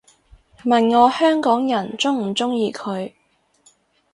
問我香港人鍾唔鍾意佢